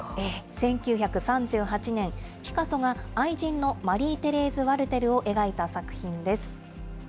１９３８年、ピカソが愛人のマリーテレーズ・ワルテルを描いた作品です。